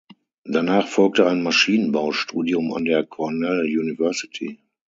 Danach folgte ein Maschinenbaustudium an der Cornell University.